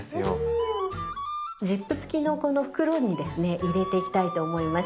ジップ付きのこの袋にですね入れていきたいと思います。